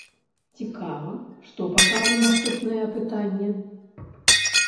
Цікава, што пакажа наступнае апытанне?